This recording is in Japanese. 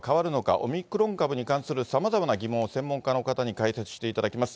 オミクロン株に関するさまざまな疑問を専門家の方に解説していただきます。